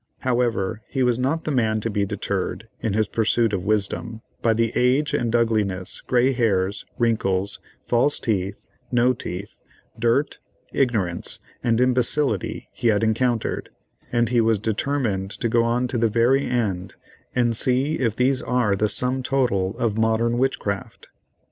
However, he was not the man to be deterred, in his pursuit of wisdom, by the age and ugliness, grey hairs, wrinkles, false teeth, no teeth, dirt, ignorance, and imbecility he had encountered, and he was determined to go on to the very end and see if these are the sum total of modern witchcraft.